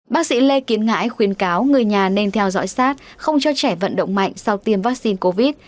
bác sĩ lê kiến ngãi khuyến cáo người nhà nên theo dõi sát không cho trẻ vận động mạnh sau tiêm vaccine covid